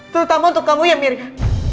terutama untuk kamu ya mirna